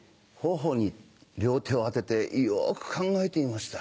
頬に両手を当ててよく考えてみました。